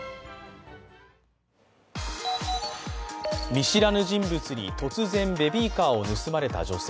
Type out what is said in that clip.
見知らぬ人物に突然ベビーカーを盗まれた女性。